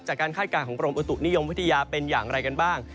คาดการณ์ของกรมอุตุนิยมวิทยาเป็นอย่างไรกันบ้าง